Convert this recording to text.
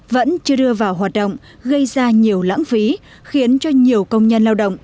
vẫn chưa đưa vào hoạt động gây ra nhiều lãng phí khiến cho nhiều công nhân lao động